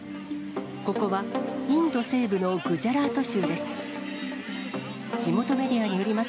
ここはインド西部のグジャラート州です。